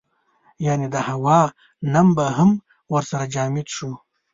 یعنې د هوا نم به هم ورسره جامد شو.